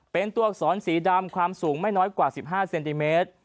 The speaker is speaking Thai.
เป็นตัวอักษรสีดำความสูงไม่น้อยกว่า๑๕เซนติเมตร